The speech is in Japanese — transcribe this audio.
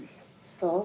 そう？